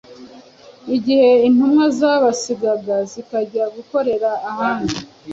Igihe intumwa zabasigaga zikajyaga gukorera ahandi,